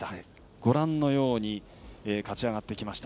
ご覧のように勝ち上がってきました。